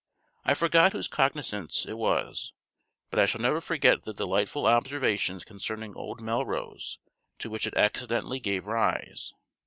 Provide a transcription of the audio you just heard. I forgot whose cognizance it was; but I shall never forget the delightful observations concerning old Melrose to which it accidentally gave rise.